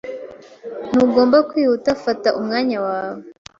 Ntugomba kwihuta. Fata umwanya wawe.